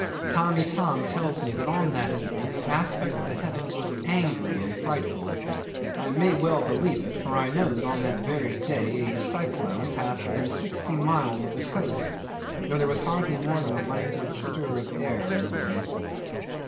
'Tamb' Itam tells me that on that evening the aspect of the heavens was angry and frightful. I may well believe it, for I know that on that very day a cyclone passed within sixty miles of the coast, though there was hardly more than a languid stir of air in the place.